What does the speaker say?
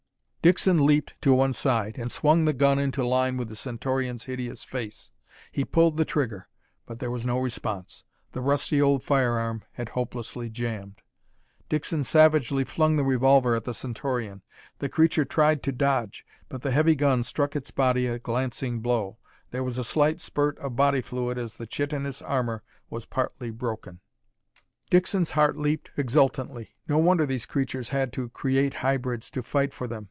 Dixon leaped to one side and swung the gun into line with the Centaurian's hideous face. He pulled the trigger but there was no response. The rusty old firearm had hopelessly jammed. Dixon savagely flung the revolver at the Centaurian. The creature tried to dodge, but the heavy gun struck its body a glancing blow. There was a slight spurt of body fluid as the chitinous armor was partly broken. Dixon's heart leaped exultantly. No wonder these creatures had to create hybrids to fight for them.